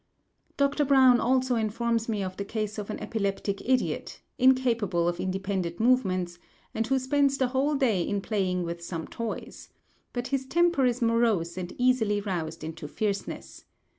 Dr. Browne also informs me of the case of an epileptic idiot, incapable of independent movements, and who spends the whole day in playing with some toys; but his temper is morose and easily roused into fierceness.